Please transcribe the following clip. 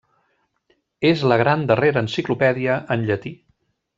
És la gran darrera enciclopèdia en llatí.